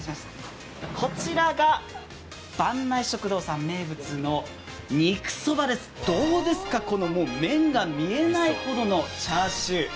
こちらが坂内食堂さん名物の肉そばです、どうですか麺が見えないほどのチャーシュー。